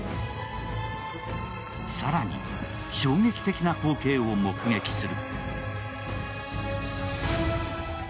更に衝撃的な光景を目撃する。